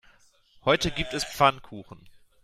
Heute gibt es Pfannkuchen.